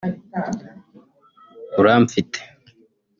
Uramfite